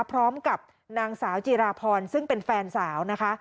พร้อมกับนางสาวจีราพรซึ่งเป็นแฟนสาวนะคะ